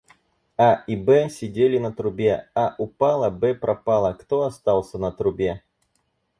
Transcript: А, И, Б сидели на трубе. А упала, Б пропала. Кто остался на трубе?